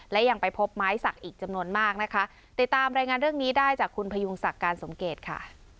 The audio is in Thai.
ได้จากคุณพญูงสักการสมเกตค่ะ